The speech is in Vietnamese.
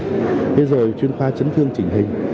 thế rồi chuyên khoa chấn thương chỉnh hình